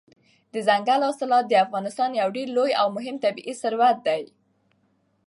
دځنګل حاصلات د افغانستان یو ډېر لوی او مهم طبعي ثروت دی.